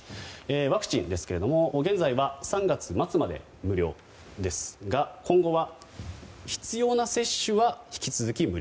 ワクチンですが現在は３月末まで無料ですが今後は、必要な接種は引き続き無料。